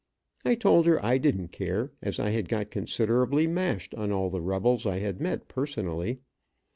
I told her I didn't care, as I had got considerably mashed on all the rebels I had met personally.